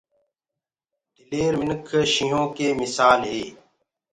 بهآدرآ مِنک شيِنهو ڪي مِسآل هي۔